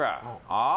ああ？